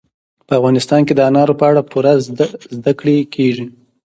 په افغانستان کې د انارو په اړه پوره زده کړه کېږي.